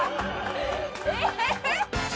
えっ？